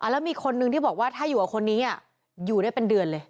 แล้วมีคนนึงที่บอกว่าถ้าอยู่กับคนนี้อยู่ได้เป็นเดือนเลย